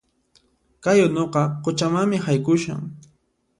Kay unuqa quchamanmi haykushan